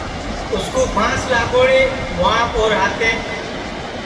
اُس کُو پھانٚس لاگوڑے مُہاپ اور ہاتیںٚپ